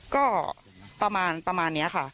ก็ประมาณประมาณนี้ค่ะ